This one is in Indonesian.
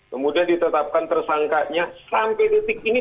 kemudian ditetapkan tersangkaknya sampai detik ini tidak ada kemajuannya